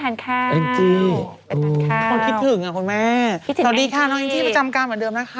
น้องนิ้วไปทานข้าว